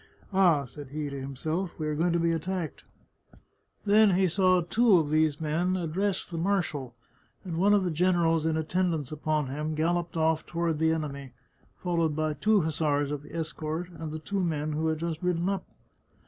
" Ah !" said he to himself, " we are going to be at tacked !" Then he saw two of these men address the mar shal, and one of the generals in attendance upon him gal loped off toward the enemy, followed by two hussars of the 45 The Chartreuse of Parma escort, and the two men who had just ridden up.